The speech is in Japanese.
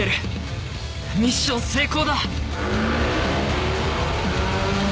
ミッション成功だ！